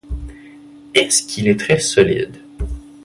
Est-ce qu'il est très solide ?